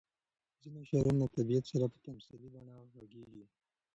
ځینې شاعران له طبیعت سره په تمثیلي بڼه غږېږي.